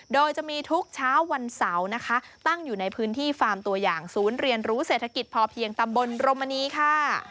โดยจะมีทุกเช้าวันเสาร์นะคะตั้งอยู่ในพื้นที่ฟาร์มตัวอย่างศูนย์เรียนรู้เศรษฐกิจพอเพียงตำบลรมณีค่ะ